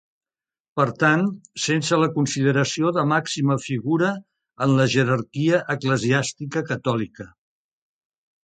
Per tant, sense la consideració de màxima figura en la jerarquia eclesiàstica catòlica.